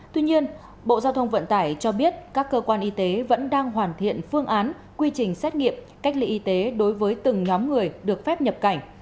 tuy nhiên bộ giao thông vận tải cho biết các cơ quan y tế vẫn đang hoàn thiện phương án quy trình xét nghiệm cách ly y tế đối với từng nhóm người được phép nhập cảnh